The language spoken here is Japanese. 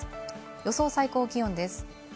予想最高気温です。